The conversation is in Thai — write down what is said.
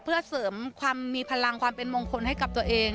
เพื่อเสริมความมีพลังความเป็นมงคลให้กับตัวเอง